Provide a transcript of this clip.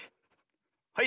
はい。